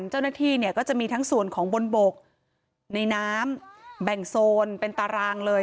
เจ้าหน้าที่เนี่ยก็จะมีทั้งส่วนของบนบกในน้ำแบ่งโซนเป็นตารางเลย